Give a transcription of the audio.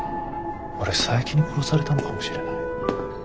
俺佐伯に殺されたのかもしれない。